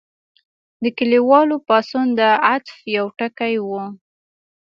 د کلیوالو پاڅون د عطف یو ټکی و.